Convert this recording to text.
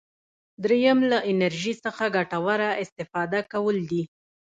دریم له انرژي څخه ګټوره استفاده کول دي.